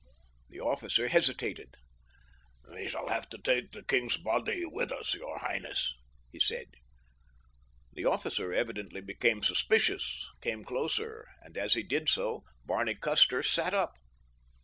The officer hesitated. "We shall have to take the king's body with us, your highness," he said. The officer evidently becoming suspicious, came closer, and as he did so Barney Custer sat up.